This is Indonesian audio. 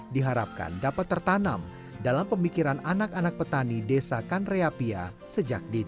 diharapkan dapat tertanam dalam pemikiran anak anak petani desa kanreapia sejak dini